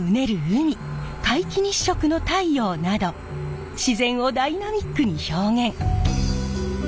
海皆既日食の太陽など自然をダイナミックに表現。